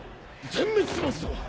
全滅しますぞ！